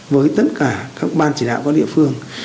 với tất cả các ban chỉ đạo các địa phương